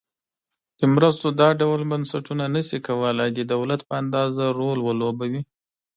د مرستو دا ډول بنسټونه نشي کولای د دولت په اندازه رول ولوبوي.